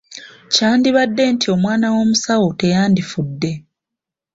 Kyandibadde nti omwana w’omusawo teyandifudde.